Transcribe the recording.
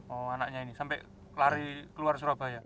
oh anaknya ini sampai lari keluar surabaya